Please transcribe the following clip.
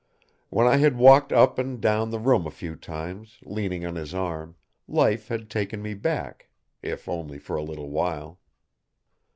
When I had walked up and down the room a few times, leaning on his arm, life had taken me back, if only for a little while.